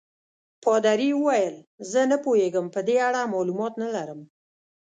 پادري وویل: زه نه پوهېږم، په دې اړه معلومات نه لرم.